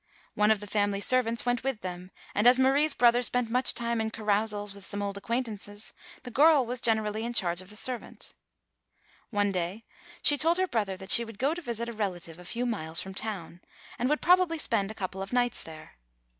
One of the family servants went with them, and as Marie's brother spent much time in carousals with some old acquaintances, the girl was generally in charge of the servant. One day she told her brother that she would go to visit a relative a few miles from town, 254 THE TALKING HANDKERCHIEF. and would probably spend a couple of nights there.